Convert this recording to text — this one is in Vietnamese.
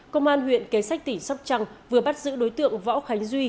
công an huyện kế sách tỉnh sóc trăng vừa bắt giữ đối tượng võ khánh duy